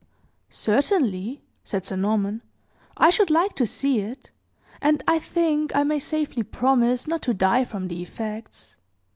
"Certainly," said Sir Norman. "I should like to see it; and I think I may safely promise not to die from the effects.